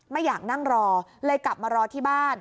ไม่อยากนั่งรอเลยกลับมารอที่บ้าน